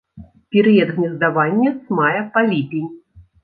Перыяд гнездавання з мая па ліпень.